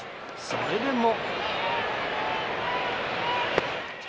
それでも。